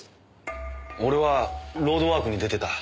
俺はロードワークに出てた。